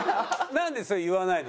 なんでそれ言わないの？